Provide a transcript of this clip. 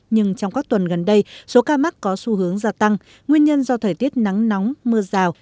nhưng trong các tuần gần đây số ca mắc có xu hướng gia tăng nguyên nhân do thời tiết nắng nóng mưa rào